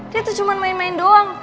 kita tuh cuma main main doang